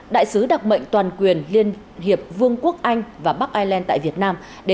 đại sứ đặc mệnh toàn quyền liên hiệp vương quốc anh và bắc ireland tại việt nam